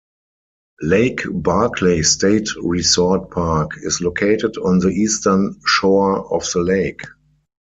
Lake Barkley State Resort Park is located on the eastern shore of the lake.